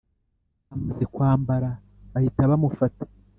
Amaze kwambara bahita bamufata